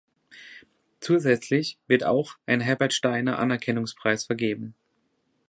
Zusätzlich wird auch ein Herbert-Steiner-Anerkennungspreis vergeben.